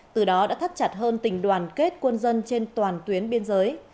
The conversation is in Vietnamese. từ đó đã thắt chặt hơn tình đoàn kết quân dân trên toàn tuyến biên giới